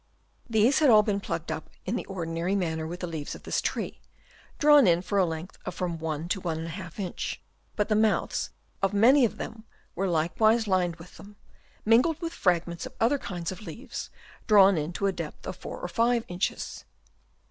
These had all been plugged up in the ordinary manner with ttte leaves of this tree, drawn in for a length of from 1 to 1| inch; but the mouths of manv of them were likewise lined K 116 HABITS OF WORMS. Chap. II. with them, mingled with fragments of other kinds of leaves, drawn in to a depth of 4 or 5 inches.